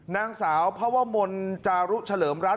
นางสาวพระวมลจารุเฉลิมรัฐ